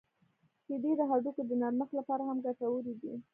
• شیدې د هډوکو د نرمښت لپاره هم ګټورې دي.